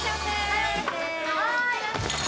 はい！